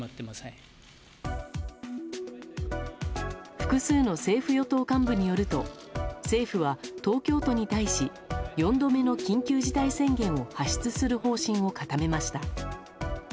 複数の政府・与党幹部によると政府は東京都に対し４度目の緊急事態宣言を発出する方針を固めました。